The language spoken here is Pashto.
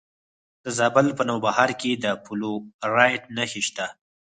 د زابل په نوبهار کې د فلورایټ نښې شته.